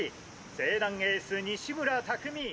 勢南エース西村拓味！